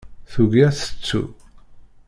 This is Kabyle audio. Tugi ad t-tettu.